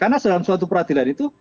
karena dalam suatu peradilan itu